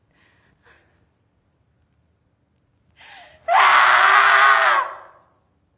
ああ！